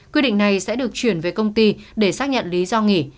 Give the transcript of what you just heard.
quy định này sẽ được chuyển về công ty để xác nhận lý do nghỉ